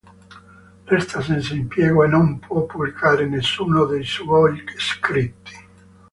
Resta senza impiego e non può pubblicare nessuno dei suoi scritti.